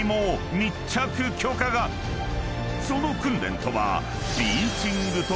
［その訓練とは］